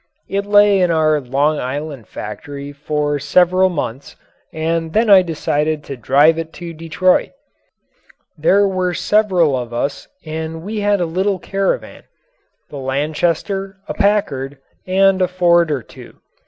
It lay in our Long Island factory for several months and then I decided to drive it to Detroit. There were several of us and we had a little caravan the Lanchester, a Packard, and a Ford or two.